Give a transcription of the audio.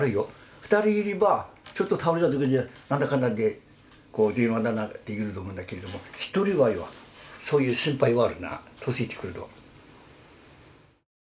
２人いればちょっと倒れたときになんだかんだで電話できると思うんだけれども１人はよそういう心配はあるな年いってくると。